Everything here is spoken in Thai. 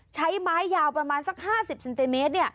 ใช้ไม้ยาวประมาณสัก๕๐เซนติเมตร